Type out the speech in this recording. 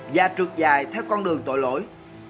và trượt dài theo con đường tội lỗi